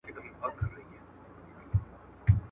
قران د انسان د ژوندانه بشپړه تګلاره ده.